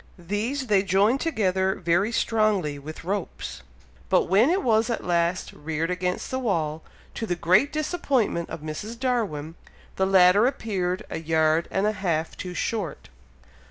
These they joined together very strongly with ropes, but when it was at last reared against the wall, to the great disappointment of Mrs. Darwin, the ladder appeared a yard and a half too short!